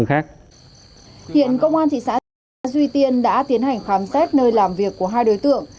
hiện công an thị xã duy tiên đã tiến hành khám xét nơi làm việc của hai đối tượng